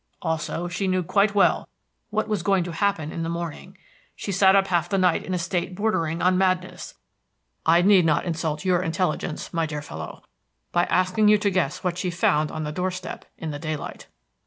Also, she knew quite well what was going to happen in the morning. She sat up half the night in a state bordering on madness. I need not insult your intelligence, my dear fellow, by asking you to guess what she found on the doorstep in the daylight."